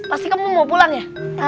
pasti kamu mau pulang ya